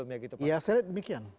ya saya lihat demikian